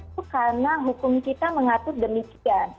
itu karena hukum kita mengatur demikian